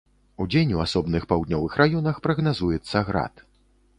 Удзень у асобных паўднёвых раёнах прагназуецца град.